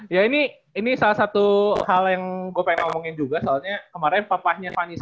ya ini salah satu hal yang gue pengen ngomongin juga soalnya kemarin papahnya pak anies